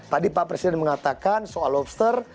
tadi pak presiden mengatakan soal lobster